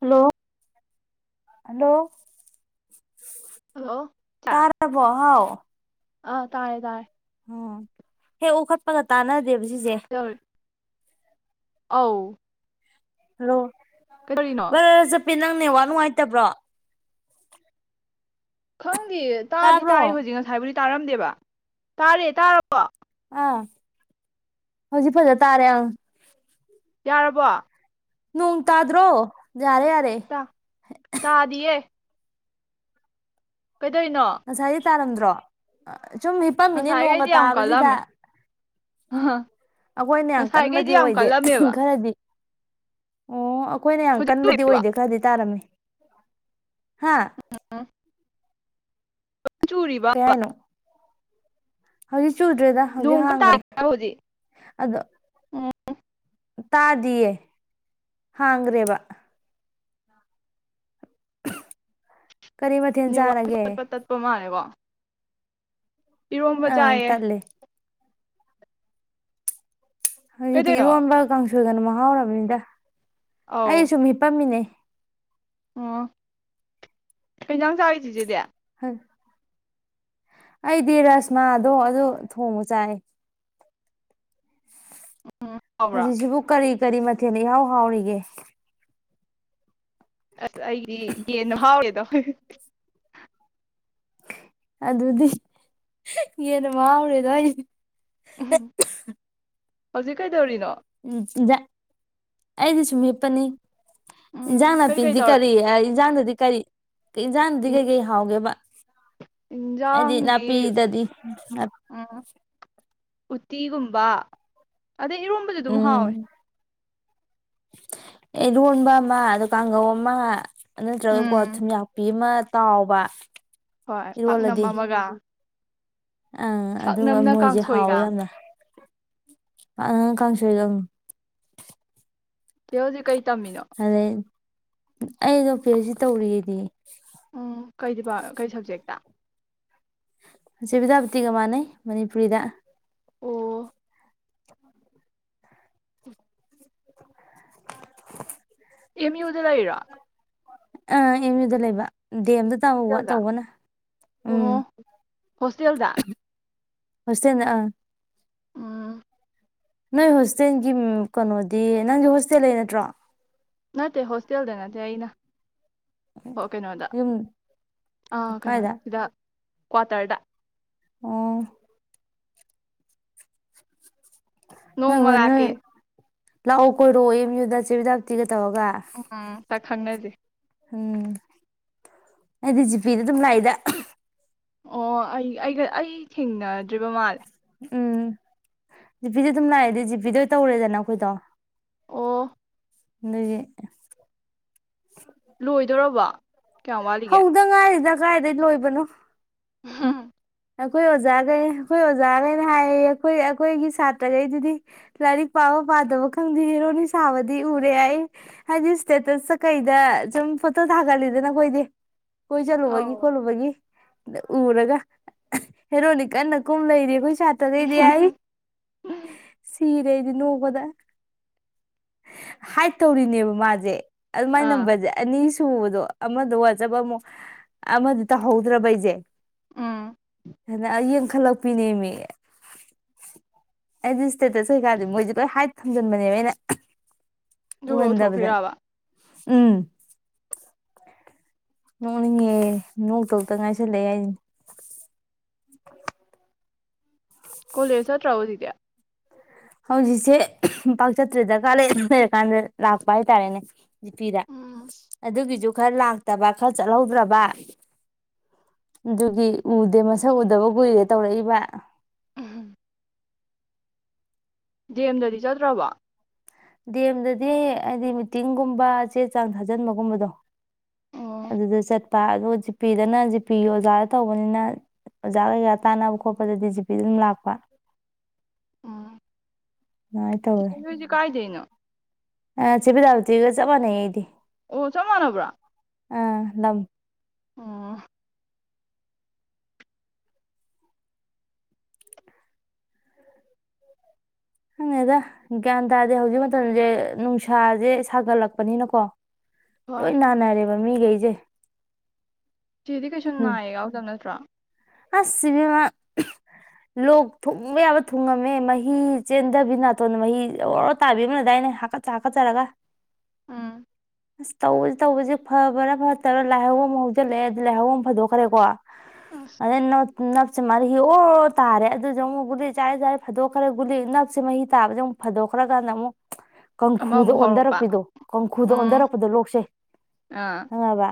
Hello hello hello ꯇꯥꯔꯥꯔꯕꯣ ꯍꯥꯎ ꯑ ꯇꯥꯔꯦ ꯇꯥꯔꯦ ꯎ ꯍ ꯑꯣꯈꯠ ꯄꯒ ꯇꯅ ꯗꯦꯕ ꯁꯤꯁꯦ ꯀꯩꯗꯧꯔꯤ ꯑꯧ [inaudible] ꯀꯩꯗꯧꯔꯤꯅꯣ ꯍꯥꯏ ꯅꯪ ꯅꯦꯠꯋꯥꯛ ꯅꯨꯡꯉꯥꯏꯇꯕ꯭ꯔꯣ [inaudible] ꯗꯤ ꯇꯥꯗꯤ ꯇꯥꯕ꯭ꯔꯣ ꯇꯥꯏ ꯍꯧꯖꯤꯛ ꯉꯁꯥꯏꯕꯨꯗꯤ ꯇꯥꯔꯝꯗꯦꯕ ꯇꯥꯔꯦ ꯇꯥꯔꯕꯣ ꯍꯧꯖꯤꯛ ꯐꯖ ꯇꯥꯔꯦ ꯌꯥꯔꯕꯣ ꯅꯣꯡ ꯇꯗ꯭ꯔꯣ ꯌꯥꯔꯦ ꯌꯥꯔꯦ ꯇꯥ ꯇꯥꯗꯤꯌꯦ ꯀꯩꯗꯧꯔꯤꯅꯣ ꯉꯁꯥꯏꯗꯤ ꯇꯔꯝꯗ꯭ꯔꯣ ꯁꯨꯝ ꯍꯤꯄꯝ ꯃꯤꯅꯤ ꯅꯣꯡꯒ ꯉꯁꯥꯏꯈꯩꯗꯤ ꯌꯥꯝ ꯇꯥꯕꯁꯤꯗ ꯀꯜꯂꯝꯃꯦ ꯑꯩꯈꯣꯏꯅ ꯌꯥꯝ ꯉꯁꯥꯏꯈꯩꯗꯤ ꯀꯟꯕꯗꯤ ꯌꯥꯝ ꯑꯣꯏꯗꯦ ꯀꯜꯂꯝꯃꯦꯕ ꯈꯔꯗꯤ ꯑꯣ ꯑꯩꯈꯣꯏꯅ ꯌꯥꯝ ꯍꯧꯖꯤꯛ ꯀꯟꯕꯗꯤ ꯆꯨꯔꯤꯕ ꯑꯣꯏꯗꯦ ꯈꯔꯗꯤ ꯇꯥꯔꯝꯃꯤ [inaudible] ꯍꯥꯥ ꯆꯨꯔꯤ ꯕ ꯕ ꯍꯥꯏꯅꯣ [unintelligible] ꯍꯧꯖꯤꯛ ꯍꯥꯡꯈ꯭ꯔꯦ [unintelligible] ꯑꯗꯣ ꯎꯝ ꯇꯥꯗꯤꯌꯦ ꯍꯥꯡꯒꯔꯦꯕ ꯀꯔꯤ ꯃꯊꯦꯜ ꯆꯥꯔꯒꯦ ꯅꯦꯠꯋꯥꯛ ꯄꯠ ꯇꯠꯄ ꯃꯥꯜꯂꯦꯀꯣ ꯏꯔꯣꯝꯕ ꯑꯥ ꯆꯥꯌꯦ ꯇꯠꯂꯦ ꯍꯎꯖꯤꯛꯇꯤ ꯀꯩꯗꯧꯔꯤꯅꯣ ꯏꯔꯣꯝꯕꯥ ꯀꯥꯡ ꯏꯒꯅ ꯃꯍꯥꯎꯔꯕꯅꯤꯗ ꯑꯧ ꯑꯩ ꯁꯨꯝ ꯍꯤꯞꯄꯝꯃꯤꯅꯦ ꯑꯣ ꯀꯩ ꯑꯦꯟꯖꯥꯡ ꯆꯔꯒꯦ ꯆꯦꯆꯦꯗꯤ ꯑꯩꯗꯤ ꯔꯁꯃꯥꯗꯣ ꯑꯗꯨ ꯊꯣꯡꯕ ꯆꯥꯏ ꯎꯝ ꯍꯥꯎꯕ꯭ꯔꯣ ꯍꯧꯖꯤꯛ ꯁꯤꯕꯨ ꯀꯔꯤ ꯀꯔꯤ ꯃꯊꯦꯟꯅ ꯏꯍꯎ ꯍꯥꯎꯔꯤꯒꯦ ꯑꯁ ꯑꯩꯗꯤ ꯌꯦꯟꯅ ꯍꯥꯎꯋꯦꯗꯣ [unintelligible] ꯑꯗꯨꯗꯤ ꯌꯦꯟꯅ ꯃꯥꯎꯔꯦꯗꯣ [unintelligible] ꯍꯧꯖꯤꯛ ꯀꯩꯗꯧꯔꯤꯅꯣ ꯑꯩꯗꯤ ꯁꯨꯝ ꯍꯤꯞꯄꯅꯤ ꯏꯟꯖꯡ ꯎꯝ ꯀꯩꯀꯩ ꯅꯥꯄꯤꯗꯤ ꯇꯧꯔ ꯀꯔꯤ ꯑꯏ ꯏꯟꯖꯥꯡ ꯗꯨꯗꯤ ꯀꯔꯤ ꯏꯟꯖꯥꯡꯗꯗꯤ ꯀꯩꯀꯩ ꯍꯥꯎꯒꯦꯕ ꯍꯥꯏꯗꯤ ꯏꯟꯖꯥꯡꯗꯤ ꯅꯥꯄꯤꯗꯗꯤ ꯎꯠꯇꯤꯒꯨꯝꯕ ꯑꯗꯩ ꯏꯔꯣꯝꯕꯁꯨ ꯑꯗꯨꯝ ꯍꯥꯎꯋꯦ ꯑꯦꯔꯣꯟꯕ ꯑꯃ ꯑ ꯀꯥꯡꯒꯧ ꯑꯃ ꯅꯠꯔꯥꯒꯥꯀꯣ ꯎꯝ ꯊꯨꯝꯌꯥꯛꯄꯤ ꯑꯃꯥ ꯇꯥꯎꯕ ꯍꯣꯏ ꯄꯥꯛꯅꯝ ꯏꯔꯣꯜꯂꯗꯤ ꯑꯃꯒ ꯑꯪ ꯑꯗꯨꯒ ꯄꯥꯛꯅꯝꯅ ꯃꯣꯏꯁꯦ ꯍꯥꯎꯋꯦ ꯀꯥꯡꯁꯣꯏꯒ ꯌꯥꯝꯅ ꯑ ꯀꯥꯡꯁꯣꯏꯒ ꯀꯣꯖꯤ ꯀꯩ꯫ ꯇꯝꯃꯤꯅꯣ ꯑꯂ‌ꯦꯟ꯫ ꯑꯩꯗꯣ ꯄꯤꯍꯩꯁꯗꯤ ꯇꯧꯔꯤꯑꯩꯗꯤ꯫ ꯎꯝ ꯀꯩꯗꯤ ꯀꯩ ꯁꯕꯖꯦꯛꯇ꯫ ꯆꯦꯕꯤꯗꯕꯇꯤꯒ ꯃꯥꯟꯅꯩ ꯃꯅꯤꯄꯨꯔꯤꯗ꯫ ꯑꯣ꯫ ꯫ ꯑꯦꯃꯤꯌꯨꯗ ꯂꯩꯔ‌ꯣ꯫ ꯑꯥ ꯑꯦꯃꯤꯌꯨꯗ ꯂꯩꯕ꯫ ꯗꯦꯝꯗ ꯇꯪꯕ ꯍꯣꯁꯇꯦꯜꯗ ꯇꯧꯕꯅ ꯎꯝ꯫ ꯑꯣ ꯍꯣꯁꯇꯦꯜꯗ ꯍꯣꯁꯇ‌ꯦꯜꯗ ꯑꯪ꯫ ꯎꯝ ꯅꯣꯏ ꯍꯣꯁꯇꯦꯜꯒꯤ ꯀꯩꯅꯣꯗꯤ ꯅꯪꯒꯤ ꯍꯣꯁꯇꯦꯜ ꯂꯩ ꯅꯠꯇ꯭ꯔꯣ ꯅꯠꯇꯦ ꯍꯣꯁꯇꯦꯜꯗ ꯅꯠꯇꯦ ꯑꯩꯅ ꯑꯣ ꯀꯩꯅꯣꯗ ꯌꯨꯝ ꯑ ꯀꯩꯅꯣ ꯀꯥꯏꯗ ꯁꯤꯗ ꯀ꯭ꯋꯥꯇꯥꯔꯗꯥ ꯑꯣ ꯅꯣꯡ ꯅꯣꯏ ꯍꯣꯏ ꯅꯣꯏ ꯎꯃꯔꯀꯦ ꯂꯥꯛꯑꯣ ꯀꯣꯏꯔꯣꯑꯣꯦꯝ ꯌꯗ ꯆꯦꯗ ꯇꯒ ꯈꯪꯅꯖꯦ ꯎꯝ ꯑꯩꯗꯤ ꯖꯤꯄꯤꯗ ꯑꯗꯨꯝ ꯂꯥꯛꯏꯗ ꯑꯣ ꯑꯩꯒ ꯑꯩ ꯊꯦꯡꯅꯗ꯭ꯔꯤꯕ ꯃꯥꯜꯂꯦ ꯎꯝ ꯖꯤꯄꯤꯗꯤ ꯑꯗꯨꯝ ꯂꯥꯛꯑꯦꯗꯤ ꯖꯤꯄꯤꯗ ꯇꯧꯔꯦꯗꯅ ꯑꯩꯈꯣꯏꯗꯣ ꯑꯣ ꯑꯗꯒꯤ ꯂꯣꯏꯗꯣꯏꯔꯕ ꯍꯗꯪꯔꯗ ꯀ ꯀꯥꯏꯗꯒꯤꯩ ꯂꯣꯏꯕꯅꯣ ꯍꯥꯥ ꯑꯩꯈꯣꯏ ꯑꯣꯖꯥꯈꯩ ꯑꯩꯈꯣꯏ ꯑꯣꯖꯥꯈꯩꯅ ꯍꯥꯏꯌꯦ ꯑꯩꯈꯣꯏ ꯑꯩꯈꯣꯏꯒꯤ ꯁꯥꯇ꯭ꯔꯈꯩꯗꯨꯗꯤ ꯂꯥꯏꯔꯤꯛ ꯄꯥꯕ ꯄꯥꯗꯕ ꯈꯪꯗꯦ ꯍꯦꯔꯣꯅꯤ ꯁꯥꯕꯗꯤ ꯎꯔꯦ ꯑꯩ ꯍꯥꯏꯗꯤ ꯏꯁꯇꯦꯇꯁꯇ ꯀꯩꯗ ꯁꯨꯝ ꯐꯣꯇꯣ ꯊꯥꯒꯠꯂꯤꯗꯅ ꯑꯩꯈꯣꯏꯗꯤ ꯀꯣꯏ ꯆꯂꯨꯕꯒꯤ ꯑꯧ ꯀꯣꯜꯂꯕꯒꯤ ꯎꯔꯒ ꯍꯦꯔꯣꯅꯤ ꯀꯟꯅ ꯀꯨꯝ ꯂꯩꯔꯤ ꯑꯩꯈꯣꯏ ꯆꯥꯠꯇꯗ ꯏꯗꯤꯏ ꯁꯤꯔꯦꯗꯤ ꯅꯣꯡꯧꯕꯗ ꯍꯥꯏꯠ ꯇꯧꯔꯤꯅꯦꯕ ꯃꯥꯁꯦ ꯑꯗꯨꯃꯥꯏ ꯑꯥ ꯅꯝꯕꯔꯁꯦ ꯑꯅꯤ ꯁꯨꯕꯗꯣ ꯑꯃꯗ ꯋꯥꯖꯕ ꯑꯃꯨꯛ ꯑꯃꯗꯤꯗ ꯇꯧꯍꯧꯗ꯭ꯔꯕ ꯑꯩꯁꯦ ꯎꯝ ꯑꯡꯈꯜꯂꯛ ꯄꯤꯅꯦꯃꯤ ꯑꯩꯗꯤ ꯏꯁꯇꯦꯇꯁ ꯑꯣꯏꯀꯔꯗ ꯃꯣꯏꯁꯦ ꯂꯣꯏ ꯍꯥꯏ ꯊꯝꯖꯤꯟꯕꯅꯦꯕ ꯑꯩꯅ ꯎ ꯑꯗꯨꯒ ꯍꯗꯕꯗ ꯎꯊꯣꯛꯈ꯭ꯔꯤꯔꯕ ꯎꯝ ꯅꯣꯡꯅꯤꯍꯦ ꯅꯣꯡꯇꯇ ꯉꯥꯏꯁꯜꯂꯛꯑꯦ ꯍꯥꯏꯅꯦ ꯀꯣꯂꯔꯖꯠ ꯔꯑꯣꯣ ꯏꯗꯌꯥ ꯍꯧꯖꯤꯛꯁꯦ ꯄꯥꯛꯆꯠꯇ꯭ꯔꯦ ꯗꯔꯀꯥꯔ ꯂꯩ ꯑꯗꯨ ꯂꯩꯔꯀꯥꯟꯗ ꯂꯥꯛꯄ ꯍꯥꯏꯇꯥꯔꯦꯅꯦ ꯖꯤꯄꯤꯗ ꯎꯝ ꯑꯗꯨꯒꯤꯁꯨ ꯈꯔ ꯂꯥꯛꯇꯕ ꯈꯔ ꯆꯠꯍꯧꯗ꯭ꯔꯕ ꯑꯗꯨꯒꯤ ꯎꯗꯦ ꯃꯁꯛ ꯎꯗꯕ ꯀꯨꯏꯔꯦ ꯇꯧꯔꯛꯏꯕ ꯑ ꯖ ꯑꯦꯝꯗꯗꯤ ꯆꯠꯇ꯭ꯔꯕ ꯗꯦꯝꯗꯗꯤ ꯍꯥꯏꯗꯤ ꯃꯤꯇꯤꯡꯒꯨꯝꯕ ꯆꯦ ꯆꯥꯡ ꯊꯥꯖꯟꯕꯒꯨꯝꯕꯗꯣ ꯑꯗꯨꯗ ꯆꯠꯄ ꯑꯗꯣ ꯖꯤꯄꯤꯗꯅ ꯖꯤꯄꯤ ꯑꯣꯖꯥꯗ ꯇꯧꯕꯅꯤꯅ ꯑꯣꯖꯥ ꯀꯩꯀꯥ ꯇꯥꯅꯕ ꯈꯣꯠꯄꯗꯗꯤ ꯖꯤꯄꯤꯗ ꯑꯗꯨꯝ ꯂꯥꯛꯄ ꯑꯗꯨꯃꯥꯏꯅ ꯇꯧꯋꯦ ꯁꯤꯁꯇꯔ ꯈꯣꯏꯁꯦ ꯀꯥꯏꯗꯩꯅꯣ? ꯌꯥ ꯆꯦ ꯕꯤꯂꯥꯕꯇꯤꯒ ꯆꯞ ꯃꯟꯅꯩ ꯏꯩꯗꯤ꯫ ꯑꯣ ꯆꯞ ꯃꯟꯅꯥꯕ꯭ꯔꯣ? ꯑꯥ ꯂꯝ ꯑꯣ ꯈꯪꯗꯦꯗ ꯒ꯭ꯌꯥꯟ ꯇꯥꯗꯦ ꯍꯧꯖꯤꯛ ꯃꯇꯝꯁꯦ ꯅꯨꯡꯁꯥꯁꯦ ꯁꯥꯒꯠꯂꯛꯄꯅꯤꯅꯀꯣ ꯍꯣꯏ ꯂꯣꯏ ꯅꯥꯅꯔꯦ꯫ ꯃꯃꯤ ꯀꯩꯁꯦ ꯆꯦꯗꯤ ꯀꯩꯁꯨ ꯅꯥꯌꯦꯛ ꯌꯥꯎꯗꯕ ꯅꯠꯇ꯭ꯔꯣ? ꯑꯁ ꯁꯤꯕꯝꯃꯥ [unintelligible] ꯂꯣꯛ ꯊꯨꯡꯕꯥ ꯌꯥꯕ ꯊꯨꯡꯉꯝꯃꯦ, ꯃꯍꯤ ꯆꯦꯟꯗꯕꯤ ꯅꯥꯇꯣꯟꯗ ꯃꯍꯤ ꯑꯣꯔꯣꯔꯣ ꯇꯥꯕꯤ ꯑꯃꯥ ꯂꯩꯗꯥꯏꯅꯦ ꯍꯥꯀꯠꯆꯥ ꯍꯥꯀꯠꯆꯥꯔꯒ꯫ ꯎꯝ ꯑꯁ ꯇꯧꯕ ꯇꯧꯕꯁꯤ ꯐꯕꯥꯔꯥ ꯐꯠꯇꯕ꯭ꯔꯥ ꯂꯥꯏꯍꯧ ꯑꯃ ꯍꯧꯖꯤꯜꯂꯛꯑꯦ ꯑꯗꯨ ꯂꯥꯏꯍꯧ ꯑꯃꯨꯛ ꯐꯗꯣꯛꯈꯔꯦꯀꯣ ꯑꯁ ꯑꯗꯩ ꯅꯞ ꯅꯞꯁꯦ ꯃꯥꯔꯤ ꯑꯣ ꯔꯣ ꯇꯥꯔꯦ ꯑꯗꯨꯁꯨ ꯑꯃꯨꯛ ꯒꯨꯂꯤ ꯆꯥꯔꯦ ꯆꯥꯔꯦ ꯐꯥꯗꯣꯛꯈ꯭ꯔꯦ, ꯒꯨꯂꯤ ꯅꯞꯁꯦ ꯃꯍꯤ ꯇꯥꯕꯁꯦ ꯑꯃꯨꯛ ꯐꯗꯣꯛꯈ꯭ꯔ ꯀꯥꯟꯗ ꯑꯃꯨꯛ ꯀꯥꯡꯈꯨꯗ ꯑꯃꯃꯨꯛ ꯍꯧꯔꯛꯄ ꯑꯣꯟꯊꯥꯔꯛꯄꯤꯗꯣ ꯀꯥꯡꯈꯨꯗ ꯎꯝ ꯑꯣꯟꯊꯥꯔꯛꯄꯗꯣ ꯂꯣꯛꯁꯦ ꯑꯥ ꯈꯪꯉꯕ?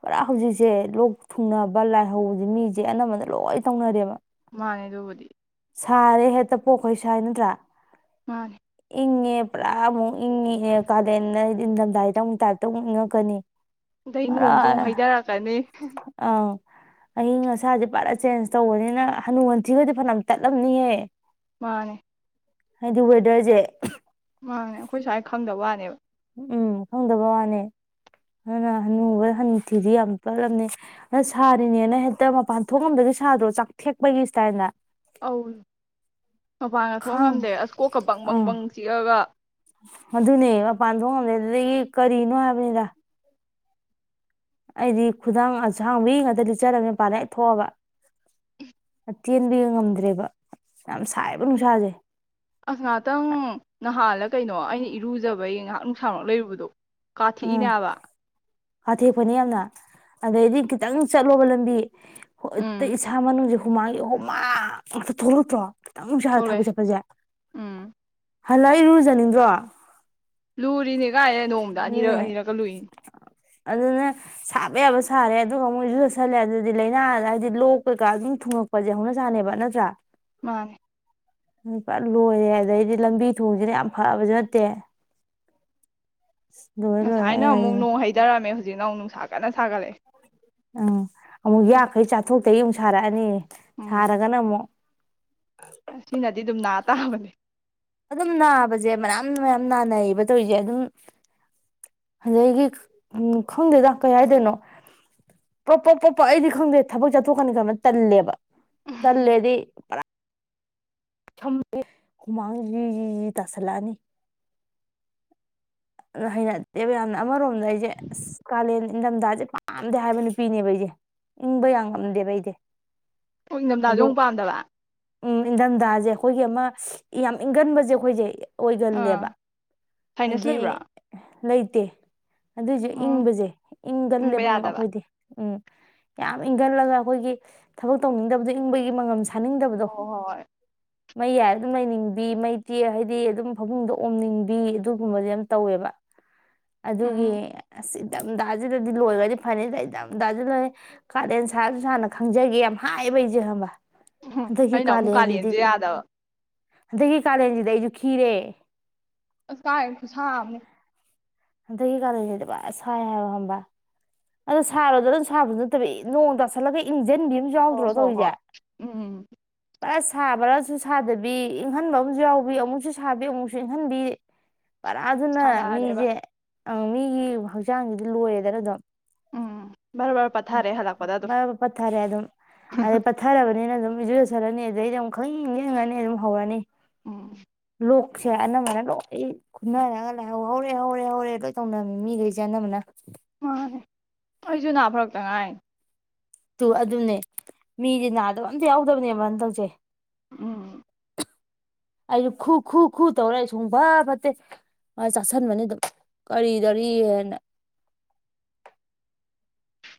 ꯄꯨꯔꯥ ꯍꯧꯖꯤꯛꯁꯦ ꯂꯣꯛ ꯊꯨꯡꯅꯕ ꯂꯥꯏꯍꯧꯁꯦ ꯃꯤ ꯆꯦ ꯑꯅꯝꯕꯅ ꯂꯣꯏ ꯇꯧꯅꯔꯦꯕ꯫ ꯃꯥꯅꯦ ꯑꯗꯨꯕꯨꯗꯤ ꯁꯥꯔꯦ ꯍꯦꯛꯇ ꯄꯣꯛꯈꯩ ꯁꯥꯏ ꯅꯠꯇ꯭ꯔꯥ? ꯃꯥꯅꯦ ꯏꯪꯉꯦ ꯄꯨꯔꯥ ꯑꯃꯨꯛ ꯏꯪꯉꯤ ꯑꯦ ꯀꯥꯂꯦꯟ ꯍꯥꯏꯗꯤ ꯅꯤꯡꯊꯝꯊꯒꯤꯗ ꯑꯃꯨꯛ ꯇꯥꯏꯞꯇ ꯑꯃꯨꯛ ꯏꯪꯉꯛꯀꯅꯤ ꯑꯗꯩ ꯄꯨꯔꯥ ꯅꯣꯡꯖꯣꯡ ꯍꯥꯏꯊꯥꯔꯛꯀꯅꯤ ꯑꯩ ꯉꯥ [unintelligible] ꯏꯁꯥꯁꯦ ꯄꯥꯔꯥ ꯆꯦꯟꯖ ꯇꯧꯕꯅꯤꯅ ꯍꯅꯨ ꯍꯟꯊꯤ ꯈꯣꯏꯗꯤ ꯐꯥꯅꯝ ꯇꯠꯂꯝꯅꯤꯍꯦ ꯃꯥꯅꯦ ꯍꯥꯏꯗꯤ ꯋꯦꯗꯔꯖꯦ [unintelligible] ꯃꯥꯅꯦ ꯑꯈꯣꯏ ꯁ꯭ꯋꯥꯥꯏ ꯈꯪꯗ ꯋꯥꯅꯦꯕ ꯎꯝ ꯈꯪꯗꯕ ꯋꯥꯅꯤ ꯑꯗꯨꯅ ꯍꯅꯨꯕ ꯍꯅꯨꯊꯤꯗꯤ ꯌꯥꯝ ꯄꯠꯂꯝꯅꯤ ꯑꯗꯨ ꯁꯥꯔꯤꯅꯦꯅ ꯍꯦꯛꯇ ꯃꯄꯥꯟ ꯊꯣꯛꯉꯝꯗꯒꯩ ꯁꯥꯗ꯭ꯔꯣ ꯆꯥꯛꯊꯦꯛꯄꯒꯤ ꯁ꯭ꯇꯥꯜꯏꯗ? ꯑꯧ ꯃꯄꯥꯟꯒ ꯊꯣꯛ ꯈꯪ ꯉꯝꯗꯦ ꯑꯁ ꯀꯣꯛꯀ ꯕꯪ ꯑꯪ ꯕꯪꯕꯪ ꯆꯤꯛꯑꯒ ꯑꯗꯨꯅꯦ ꯃꯄꯥꯟ ꯊꯣꯛꯉꯝꯗꯦ ꯑꯗꯨꯗꯒꯤ ꯀꯔꯤꯅꯣ ꯍꯥꯏꯕꯅꯤꯗ ꯑꯩꯗꯤ ꯈꯨꯗꯥꯡ ꯑꯁꯥꯡꯕꯤ ꯉꯛꯇꯥ ꯂꯤꯠꯆꯥꯔꯕꯅꯦ ꯃꯄꯟꯗꯥ ꯍꯦꯛ ꯊꯣꯛꯑꯥꯕ, ꯑꯇꯦꯟꯕꯤꯒ ꯉꯝꯗ꯭ꯔꯦꯕ ꯌꯥꯝ ꯁꯥꯏꯌꯦꯕ ꯅꯨꯡꯁꯥꯁꯦ꯫ ꯑꯁ ꯉꯥꯏꯍꯥꯛꯇꯪ [unintelligible] ꯑꯩ ꯉꯥꯏꯍꯛ ꯅꯨꯡꯁꯥ ꯃꯔꯛ ꯂꯩꯔꯨꯕꯗꯣ ꯀꯊꯤꯛ ꯏꯅꯦ ꯍꯥꯏꯕ ꯍꯥꯊꯦꯛꯄꯅꯦ ꯌꯥꯝꯅ ꯑꯗꯩꯗꯤ ꯈꯤꯇꯡ ꯆꯠꯂꯣꯕ ꯂꯝꯕꯤ ꯍꯣꯠꯇꯥ ꯏꯁꯥ ꯃꯅꯨꯡꯁꯦ ꯍꯨꯃꯥꯏꯒꯤ ꯍꯨꯃꯥ ꯉꯛꯇꯥ ꯊꯣꯛꯂꯛꯇ꯭ꯔꯣ? ꯈꯤꯇꯪ ꯅꯨꯡꯁꯥꯗ ꯊꯕꯛ ꯊꯣꯛꯂꯛꯑꯦ ꯆꯠꯄꯁꯦ ꯍꯜꯂꯥ ꯏꯔꯨꯖꯅꯤꯡꯗ꯭ꯔꯣ? ꯂꯨꯔꯤꯅꯦ ꯀꯥꯏꯗ ꯅꯣꯡꯃꯗ ꯑꯅꯤꯔꯛ ꯑꯗꯨꯅꯦ ꯑꯅꯤꯔꯛꯀ ꯂꯨꯏꯅꯦ ꯑꯗꯨꯅ ꯁꯥꯕ ꯌꯥꯕ ꯁꯥꯔꯦ ꯑꯗꯨꯒ ꯃꯣꯏꯁꯨ ꯆꯠꯁꯜꯂꯦ ꯑꯗꯨꯗꯤ ꯂꯥꯏꯅꯥ ꯍꯥꯏꯗꯤ ꯂꯣꯛ ꯀꯩꯀꯥ ꯑꯗꯨꯝ ꯊꯨꯡꯉꯛꯄꯁꯦ ꯍꯧꯅ ꯁꯥꯅꯦꯕ ꯅꯠꯇ꯭ꯔꯥ ꯃꯥꯅꯦ ꯄꯨꯔ ꯂꯣꯏꯔꯦ ꯑꯗꯩꯗꯤ ꯂꯝꯕꯤ ꯊꯣꯡꯁꯤꯅ ꯌꯥꯝ ꯐꯕꯁꯨ ꯅꯠꯇꯦ [inaudible] ꯉꯁꯥꯏꯅ ꯑꯩ ꯑꯃꯨꯛ ꯍꯥꯏꯁꯤꯅꯦ ꯅꯣꯡ ꯍꯩꯊꯔꯝꯃꯦ ꯍꯧꯖꯤꯛꯅ ꯑꯃꯨꯛ ꯌꯝ ꯀꯟꯅ ꯁꯒꯠꯂꯛ ꯑꯦ ꯎꯝ ꯑꯃꯨꯛ ꯌꯥꯈꯩ ꯆꯥꯊꯣꯛꯇꯩ ꯑꯃꯨꯛ [inaudible] ꯎꯝ ꯁꯔꯒꯅ ꯑꯃꯨꯛ ꯁꯤꯅꯗꯤ ꯑꯗꯨꯝ ꯅꯥ ꯇꯥꯕꯅꯦ ꯑꯗꯨꯝ ꯅꯥꯕꯁꯦ ꯃꯌꯥꯝ ꯃꯌꯥꯝ ꯅꯥꯅꯩꯕ ꯇꯧꯔꯤꯁꯦ ꯑꯗꯨꯝ ꯑꯗꯒꯤ ꯈꯪꯗꯦꯗ ꯀꯩ ꯍꯥꯏꯥꯏꯗꯣꯏꯅꯣ ꯄꯞ ꯄꯣꯛꯞ ꯄꯣꯛ ꯄꯣꯛ ꯑꯩꯗꯤ ꯈꯪꯗꯦ ꯊꯕꯛ ꯆꯠꯊꯣꯛꯀꯅꯤ ꯈꯟꯕ ꯇꯜꯂꯦꯕ ꯇꯜꯂꯦꯗꯤ ꯄꯨꯔꯥ ꯍꯨꯃꯥꯡ ꯖꯤ ꯖꯤ ꯇꯁꯜꯂꯛ ꯑꯅꯤ ꯑꯗꯨ ꯍꯩꯅꯠꯇꯦꯕ ꯌꯥꯝꯅ ꯑꯃꯔꯣꯝꯗ ꯑꯩꯁꯦ ꯀꯥꯂꯦꯟ ꯏꯪꯊꯝꯊꯁꯦ ꯄꯥꯝꯗꯦ ꯍꯥꯏꯕ ꯅꯨꯄꯤꯅꯦꯕ ꯑꯩꯁꯦ ꯏꯪꯕ ꯌꯥꯝ ꯉꯝꯗꯦꯕ ꯑꯩꯗꯤ ꯏꯟꯗꯝꯗꯖꯦ ꯑꯗꯣ ꯑꯃꯨꯛ ꯄꯥꯝꯗꯕ ꯎꯝ ꯏꯟꯊꯝꯊꯖꯦ ꯑꯩꯈꯣꯏꯒꯤ ꯑꯃ ꯌꯥꯝ ꯏꯪꯒꯟꯕꯁꯦ ꯑꯩꯈꯣꯏꯁꯦ ꯑꯣꯏꯒꯜꯂꯦꯕ ꯑꯥ ꯁꯥꯏꯅꯁ ꯍꯥꯏꯗꯤ ꯂꯩꯕ꯭ꯔꯥ ꯂꯩꯇꯦ ꯑꯗꯨꯏꯁꯨ ꯎꯝ ꯏꯪꯕꯁꯦ ꯏꯪꯕ ꯏꯪꯒꯜꯂꯦꯕ ꯌꯥꯗꯕ ꯑꯩꯈꯣꯏꯗꯤ ꯎꯝ ꯌꯥꯝ ꯏꯪꯈꯠꯂꯒ ꯑꯩꯈꯣꯏꯒꯤ ꯊꯕꯛ ꯇꯧꯅꯤꯡꯗꯕꯗꯣ ꯏꯪꯕꯒꯤ ꯃꯉꯝꯁꯦ ꯊꯥꯅꯤꯡꯗꯕꯗꯣ ꯍꯣꯏ ꯍꯣꯏ ꯍꯣꯏ ꯃꯩ ꯌꯥꯏ ꯑꯗꯨꯝ ꯂꯩꯅꯤꯡꯕꯤ ꯃꯩ ꯇꯤ ꯍꯥꯏꯗꯤ ꯑꯗꯨꯝ ꯐꯃꯨꯡꯗꯣ ꯑꯣꯝꯅꯤꯡꯕꯤ ꯑꯗꯨꯒꯨꯝꯕꯗꯤ ꯇꯧꯋꯦꯕ ꯑꯗꯨꯒꯤ ꯎꯝ ꯑꯁ ꯏꯊꯝꯊꯥꯁꯤꯗꯗꯤ ꯂꯣꯏꯔꯗꯤ ꯐꯅꯤꯗ ꯏꯊꯝꯊꯥꯁꯤꯗ ꯂꯣꯏꯔ ꯀꯥꯔꯗꯦꯟ ꯁꯥꯔꯁꯨ ꯁꯥꯥꯟꯅ ꯈꯪꯖꯒꯦ ꯌꯥꯝ ꯍꯥꯏꯌꯦꯕ ꯑꯩꯁꯦ ꯎꯝ ꯑꯩꯅ ꯑꯃꯨꯛ ꯀꯥꯂꯦꯟꯁꯨ ꯌꯥꯗꯕ ꯍꯥꯟꯗꯛꯀꯤ ꯀꯥꯂꯦꯟꯁꯤꯗꯤ ꯑꯩꯁꯨ ꯈꯤꯔꯦ ꯑꯁ ꯀꯥꯏꯗꯩꯅꯣ ꯈꯨꯁꯥ ꯑꯃꯅꯤꯥ ꯍꯟꯗꯛꯀꯤ ꯀꯂꯦꯟꯁꯤꯗꯤ ꯄꯨꯔ ꯁꯥꯏ ꯍꯥꯏꯕ ꯍꯥꯟꯗꯛ ꯑꯗꯣ ꯁꯥꯔꯣꯗ ꯑꯗꯨꯝ ꯁꯥꯕꯁꯨ ꯅꯠꯇꯕ ꯅꯣꯡ ꯇꯥꯁꯜꯂꯒ ꯏꯪ ꯖꯟꯕꯤ ꯑꯃꯁꯨ ꯌꯥꯎꯗ꯭ꯔꯣ ꯍꯣꯏ ꯍꯣꯏ ꯇꯧꯔꯤꯁꯦ ꯍꯣꯏ ꯎꯝ ꯎꯝ ꯑꯁ ꯁꯥꯕ꯭ꯔꯥꯁꯨ ꯁꯥꯗꯕꯤ ꯏꯪꯍꯟꯕ ꯑꯃꯁꯨ ꯌꯥꯎꯕꯤ ꯑꯃꯨꯛꯁꯨ ꯁꯥꯕꯤ ꯑꯃꯨꯛꯁꯨ ꯏꯪꯍꯟꯕꯤ ꯑ ꯑꯗꯨꯅ ꯁꯥꯟꯅꯔꯦꯕ ꯃꯤꯖꯦ ꯑꯪ ꯃꯤꯒꯤ ꯍꯛꯆꯥꯡꯒꯤꯗꯤ ꯂꯣꯏꯔꯦꯗꯅ ꯑꯗꯨꯝ ꯎꯝ ꯕꯔ ꯕꯔ ꯄꯠꯊꯔꯦ ꯍꯜꯂꯛꯄꯗ ꯑꯗꯨꯝ ꯄꯊꯔꯦ ꯑꯗꯨꯝ ꯑꯗꯦ ꯄꯊꯔꯕꯅꯤꯅ ꯑꯗꯨꯝ ꯖꯨꯏ ꯁꯜꯔꯅꯤ ꯑꯗꯨꯗꯩꯗꯤ ꯑꯃ ꯈꯪ ꯏꯪ ꯏꯪꯉꯅꯤ ꯑꯗꯨꯝ ꯍꯧꯔꯅꯤ ꯎꯝ ꯂꯣꯛꯁꯦ ꯑꯅꯝꯕꯅ ꯂꯣꯏ ꯈꯨꯅꯔꯒ ꯂꯥꯏꯍꯧ ꯍꯧꯔꯦ ꯍꯧꯔꯦ ꯍꯧꯔꯦ ꯂꯣꯏ ꯇꯧꯅꯝꯃꯤ ꯃꯤꯈꯩꯁꯦ ꯑꯅꯝꯕꯅ ꯍꯣꯏ ꯑꯩꯁꯨ ꯅꯥ ꯐꯔꯛꯇ ꯉꯥꯏꯅꯤ ꯇꯨ ꯑꯗꯨꯝꯅꯦ ꯃꯤꯗꯤ ꯅꯥꯗꯕ ꯑꯝꯇ ꯌꯥꯎꯗꯕꯅꯦꯕꯅ ꯇꯧꯁꯦ ꯎꯝ ꯑꯩꯁꯨ ꯈꯨ ꯈꯨ ꯈꯨ ꯇꯧꯔ ꯑꯩ ꯁꯨꯡ ꯐ ꯐꯠꯇꯦ ꯃꯑ ꯆꯥꯁꯟꯕꯅꯤ ꯑꯗꯨꯝ ꯀꯔꯤꯗꯣꯔꯤꯦꯅ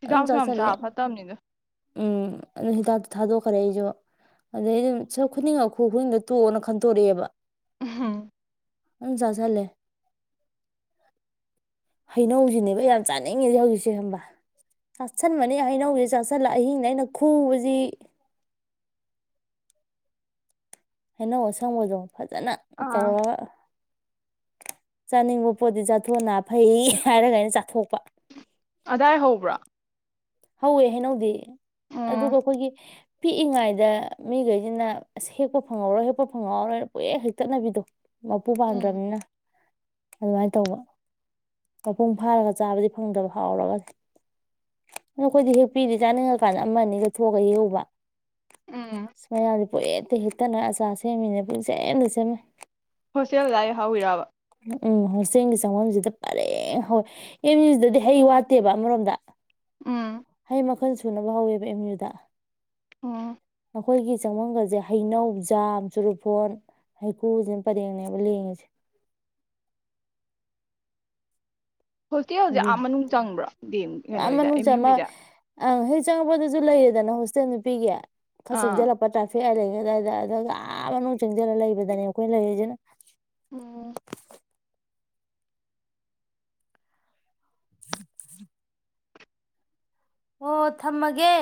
ꯍꯤꯗꯥꯛꯁꯨ ꯌꯥꯝ ꯆꯥꯕ ꯐꯠꯇꯕꯅꯤꯗ ꯎꯝ ꯑꯗꯨ ꯍꯤꯗꯥꯛꯇ ꯊꯥꯗꯣꯛꯈ꯭ꯔꯦ ꯑꯩꯁꯨ ꯑꯗꯩ ꯑꯗꯨ ꯁ ꯈꯨꯗꯤꯡ ꯈꯨ ꯈꯨꯅꯤꯡꯗ ꯇꯣꯛꯑꯣꯅ ꯈꯟꯇꯣꯔꯛꯑꯦꯕ ꯎꯍꯝ ꯆꯥꯥꯁꯜꯂꯦ ꯍꯩꯅꯧꯁꯤꯅꯦꯕ ꯌꯥꯝ ꯆꯥꯅꯤꯡꯉꯤꯁꯤ ꯍꯧꯖꯤꯛꯁꯦ ꯈꯪꯕꯔ ꯆꯥꯁꯤꯟꯕꯅꯦ ꯍꯩꯅꯧꯁꯦ ꯆꯥꯁꯤꯜꯂ ꯑꯍꯤꯡꯗ ꯑꯩꯅ ꯈꯨꯕꯁꯤ ꯍꯩꯅꯧ ꯑꯁꯪꯕꯗꯣ ꯐꯖꯅ ꯑꯥ ꯇꯧꯔꯒ ꯆꯥꯅꯤꯡꯕ ꯄꯣꯠꯇꯤ ꯆꯥꯊꯣꯛꯑ ꯅꯥ ꯐꯩ ꯍꯥꯏꯔꯒ ꯑꯩꯅ ꯆꯥꯊꯣꯛꯄ ꯑꯗꯥꯏ ꯍꯧꯕ꯭ꯔꯣ ꯍꯧꯋꯦ ꯍꯩꯅꯧꯗꯤ ꯎꯝ ꯑꯗꯨꯒ ꯑꯩꯈꯣꯏꯒꯤ ꯄꯤꯛꯏꯉꯩꯗ ꯃꯤꯈꯩꯁꯤꯅ ꯑꯁ ꯍꯦꯛꯄ ꯐꯪꯍꯧꯔꯣꯏ ꯍꯦꯛꯄ ꯐꯪꯍꯧꯍꯧꯔꯣꯏꯅ ꯄꯨꯡꯍꯦꯛ ꯍꯦꯛꯇꯠꯅꯕꯤꯗꯣ ꯃꯄꯨ ꯎꯝ ꯄꯥꯝꯗ꯭ꯔꯕꯅꯤꯅ ꯑꯗꯨꯃꯥꯏꯅ ꯇꯧꯕ ꯃꯄꯨꯡ ꯐꯥꯔꯒ ꯆꯥꯕꯗꯤ ꯐꯪꯗꯕ ꯍꯥꯎꯔꯒ ꯑꯣꯈꯣꯏꯗꯤ ꯍꯦꯛ ꯄꯤꯗꯦ ꯆꯥꯅꯤꯡꯉꯀꯥꯟꯗ ꯑꯃ ꯑꯅꯤꯒ ꯊꯣꯛꯑꯒ ꯍꯦꯛꯎꯕ ꯎꯝ [unintelligible] ꯄꯨꯍꯦꯛꯇ ꯍꯦꯛꯇꯠꯅ ꯑꯆꯥꯔ ꯁꯦꯝꯃꯤꯅꯦ ꯄꯨꯨꯡꯁꯦꯝꯗ ꯁꯦꯝꯅꯩ ꯍꯣꯁꯇꯦꯜꯑꯗꯥꯥꯏ ꯍꯧꯋꯤꯔꯕ ꯎꯝ ꯍꯣꯁꯇꯦꯜꯒꯤ ꯆꯪꯐꯝꯁꯤꯗ ꯄꯔꯦꯡ ꯍꯧꯋꯦ ꯑꯦꯝ ꯌꯨꯁꯤꯗꯗꯤ ꯍꯩ ꯋꯥꯠꯇꯦꯕ ꯑꯃꯔꯣꯝꯗ ꯎꯝ ꯍꯩ ꯃꯈꯜ ꯁꯨꯅꯕ ꯍꯧꯋꯦꯕ ꯑꯦꯝ ꯌꯨꯗ ꯑꯣ ꯑꯩꯈꯣꯏꯒꯤ ꯆꯪꯕꯝꯒꯁꯦ ꯍꯩꯅꯧ ꯖꯥꯝ ꯆꯨꯔꯨꯐꯣꯟ ꯍꯩꯀꯨꯁꯤꯅ ꯄꯔꯦꯡꯅꯦꯕ ꯂꯦꯡꯉꯤꯁꯦ ꯍꯣꯁꯇꯦꯜꯁꯦ ꯑꯗꯨ ꯑꯥ ꯃꯅꯨꯡ ꯆꯪꯕ꯭ꯔꯣ ꯗꯦꯝ ꯌꯥꯝ ꯀꯩꯅꯣꯒꯤ ꯃꯅꯨꯡ ꯑꯦꯝ ꯌꯨ ꯆꯪꯃ ꯒꯤꯁꯦ ꯑꯪ ꯍꯦꯛ ꯆꯪꯉꯛꯄꯗꯁꯨ ꯂꯩꯔꯦꯗꯅ ꯍꯣꯁꯇꯦꯜ ꯅꯨꯄꯤꯒꯤ ꯈꯔ ꯑꯥ ꯆꯪꯖꯤꯜꯂꯛꯄ ꯇ꯭ꯔꯐꯤꯛ ꯑꯥꯏꯂꯦꯟ ꯑꯗꯥꯏꯗ ꯑꯥ ꯃꯅꯨꯡ ꯆꯪꯁꯤꯜꯂꯒ ꯂꯩꯕꯗꯅꯦ ꯑꯩꯈꯣꯏ ꯂꯩꯔꯤꯁꯤꯅ ꯎꯝ [unintelligible] ꯑꯣ ꯊꯝꯃꯒꯦ